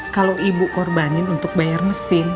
kalau ibu korbanin untuk bayar mesin